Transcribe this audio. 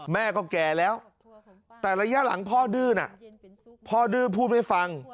แม่ก็แก่แล้วแต่ระยะหลังพ่อดื้อน่ะพ่อดื้อพูดไม่ฟัง